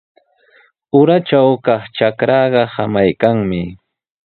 Uratraw kaq trakraaqa samaykanmi.